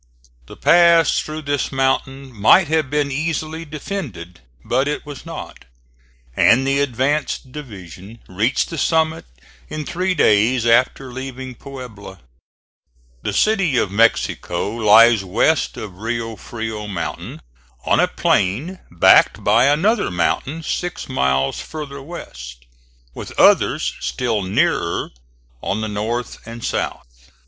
The pass through this mountain might have been easily defended, but it was not; and the advanced division reached the summit in three days after leaving Puebla. The City of Mexico lies west of Rio Frio mountain, on a plain backed by another mountain six miles farther west, with others still nearer on the north and south.